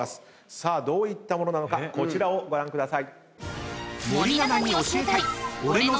さあどういった物なのかこちらをご覧ください。